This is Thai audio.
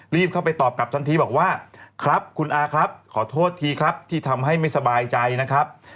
รีบเข้าไปตอบกลับทันทีบอกว่าครับคุณอาครับขอโทษทีครับที่ทำให้ไม่สบายใจนะครับ